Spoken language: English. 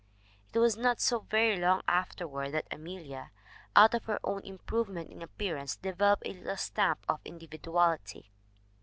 "It was not so very long afterward that Amelia, out of her own improvement in appearance, developed a little stamp of individuality.